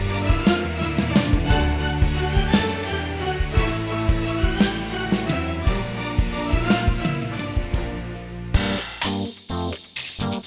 emangnya gak cepetan ya ma